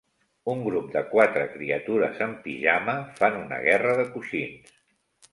Un grup de quatre criatures en pijama fan una guerra de coixins.